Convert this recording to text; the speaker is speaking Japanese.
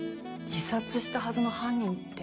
自殺したはずの犯人って。